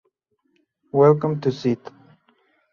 Welcome to St.